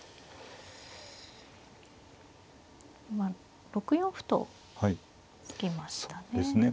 今６四歩と突きましたね。